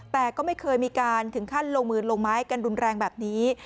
แต่ก็ไม่เคยมีการถึงขั้นลงมือลงไม้กันรุนแรงแบบนี้